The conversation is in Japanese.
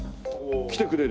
来てくれる。